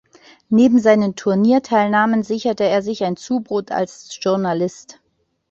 Neben seinen Turnierteilnahmen sicherte er sich ein Zubrot als Journalist.